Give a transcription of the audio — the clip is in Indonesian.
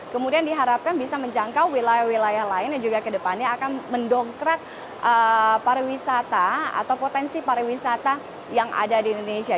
kemudian diharapkan bisa menjangkau wilayah wilayah lain yang juga kedepannya akan mendongkrak pariwisata atau potensi pariwisata yang ada di indonesia